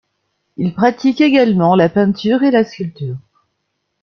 Il pratique également la peinture et la sculpture.